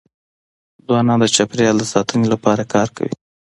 ځوانان د چاپېریال د ساتني لپاره کار کوي.